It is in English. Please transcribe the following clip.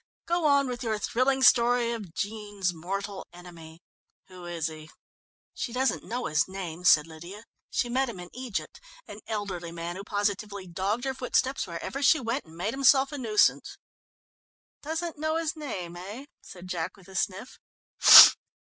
"Go on with your thrilling story of Jean's mortal enemy. Who is he?" "She doesn't know his name," said Lydia. "She met him in Egypt an elderly man who positively dogged her footsteps wherever she went, and made himself a nuisance." "Doesn't know his name, eh?" said Jack with a sniff.